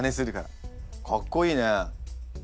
かっこいいね。